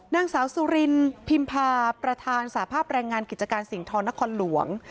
นางสาวสุรินพิมพาประธานสาภาพแรงงานกิจการสิ่งทรนครหลวง